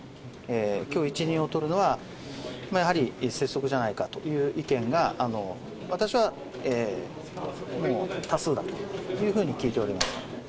きょう一任を取るのは、やはり拙速じゃないかという意見が、私はもう多数だというふうに聞いておりました。